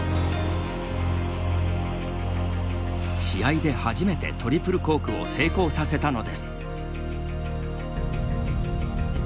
試合で初めてトリプルコークを成功させたのです。